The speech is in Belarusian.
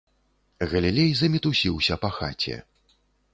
Галілей замітусіўся па хаце.